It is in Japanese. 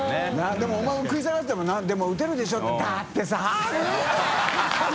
でもお前も食い下がってたもんなでも打てるでしょ」って「だってさぁ無理だよ」